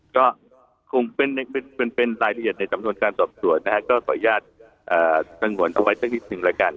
ก็คงเป็นรายละเอียดในสัมภาษณ์การตอบส่วนนะครับก็ขออนุญาตท่านหวันเอาไว้สัก๒๑ละกัน